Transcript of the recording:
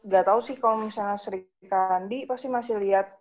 gatau sih kalau misalnya sri kandi pasti masih liat